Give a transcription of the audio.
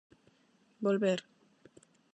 Volver...